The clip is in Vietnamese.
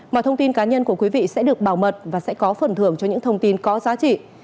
mọi thông tin cá nhân của quý vị sẽ được bảo mật và sẽ có phần thưởng cho những thông tin có giá trị